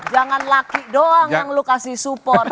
jangan laki doang yang lu kasih support